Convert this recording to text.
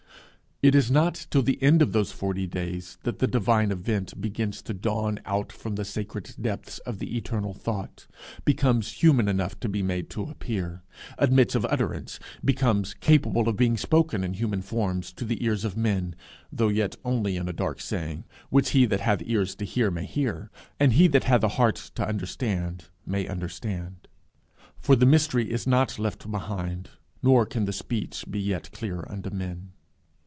It is not till the end of those forty days that the divine event begins to dawn out from the sacred depths of the eternal thought, becomes human enough to be made to appear, admits of utterance, becomes capable of being spoken in human forms to the ears of men, though yet only in a dark saying, which he that hath ears to hear may hear, and he that hath a heart to understand may understand. For the mystery is not left behind, nor can the speech be yet clear unto men.